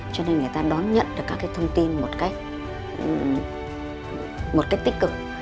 cho nên người ta đón nhận được các thông tin một cách tích cực